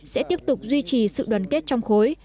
sẽ tiếp tục duy trì sự đoàn kết trong khối